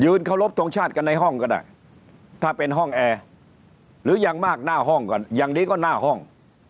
เคารพทงชาติกันในห้องก็ได้ถ้าเป็นห้องแอร์หรือยังมากหน้าห้องกันอย่างนี้ก็หน้าห้อง